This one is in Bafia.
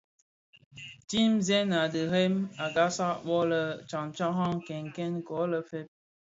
Ntizèn a dhirem a ghasag bō tsantaraň nkènkènèn ko le fe,